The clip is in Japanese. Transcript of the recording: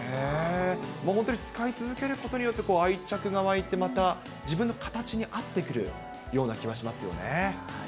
もう本当に使い続けることによって、愛着がわいて、また自分の形に合ってくるような気はしますよね。